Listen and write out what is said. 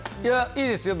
いいですよ